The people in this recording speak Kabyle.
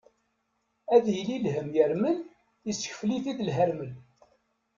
Ad yili lhemm yermel, yessekfel-it-id lhermel.